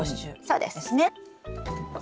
そうです。